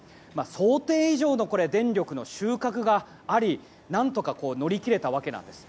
想定以上の電力の収穫があり何とか乗り切れたわけです。